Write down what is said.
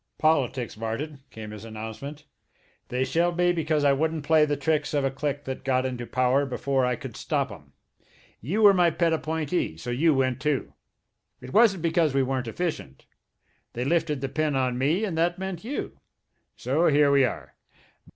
"Politics, Martin," came his announcement. "They shelved me because I wouldn't play the tricks of a clique that got into power before I could stop 'em. You were my pet appointee, so you went, too. It wasn't because we weren't efficient. They lifted the pin on me, and that meant you. So here we are.